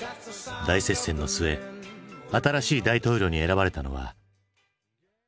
大接戦の末新しい大統領に選ばれたのは。